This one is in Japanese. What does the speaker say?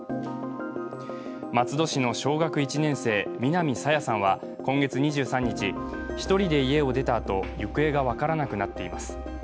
松戸市の小学１年生、南朝芽さんは今月２３日、１人で家を出たあと行方が分からなくなっています。